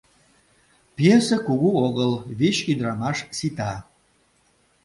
— Пьесе кугу огыл — вич ӱдырамаш сита.